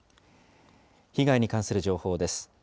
被害に関する情報です。